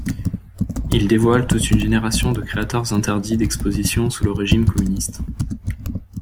Il dévoile toute une génération de créateurs interdits d'exposition sous le régime communiste.